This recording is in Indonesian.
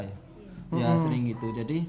ya sering gitu